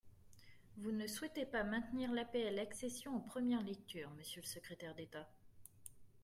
Vous ne souhaitez pas maintenir l’APL accession en première lecture, monsieur le secrétaire d’État.